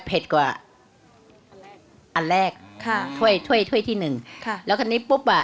กว่าอันแรกค่ะถ้วยถ้วยถ้วยที่หนึ่งค่ะแล้วคันนี้ปุ๊บอ่ะ